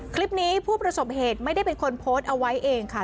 ผู้ประสบเหตุไม่ได้เป็นคนโพสต์เอาไว้เองค่ะ